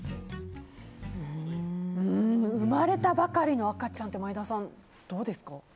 生まれたばかりの赤ちゃんって前田さん、どうですか？